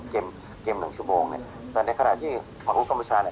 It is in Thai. เกมเกมหนึ่งชั่วโมงเนี่ยแต่ในขณะที่หมอกลุฯกรรมบุรุษาเนี่ย